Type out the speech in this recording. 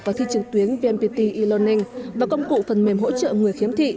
và thi trường tuyến vmpt e learning và công cụ phần mềm hỗ trợ người khiếm thị